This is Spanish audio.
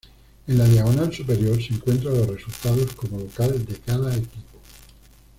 En la diagonal superior se encuentran los resultados como local de cada equipo.